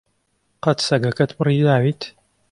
قەت سەگەکەت پڕی داویت؟